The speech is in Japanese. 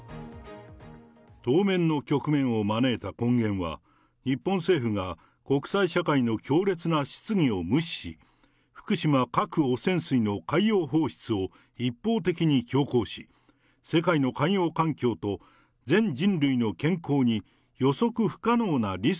当面の局面を招いた根源は、日本政府が国際社会の強烈な質疑を無視し、福島核汚染水の海洋放出を一方的に強行し、改めまして、野村農水大臣の発言ですが。